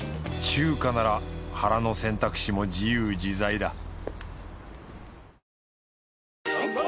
中華なら腹の選択肢も自由自在だ